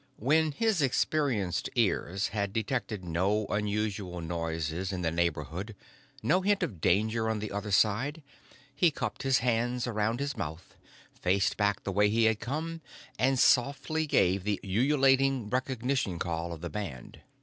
When his experienced ears had detected no unusual noises in the neighborhood, no hint of danger on the other side, he cupped his hands around his mouth, faced back the way he had come, and softly gave the ululating recognition call of the band.